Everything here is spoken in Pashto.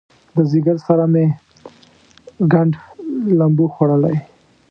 د ځیګر سره مې ګنډ لمبو خوړلی